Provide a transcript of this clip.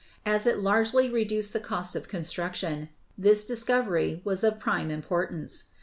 As it largely reduced the cost of construction, this discovery was of prime impor tance.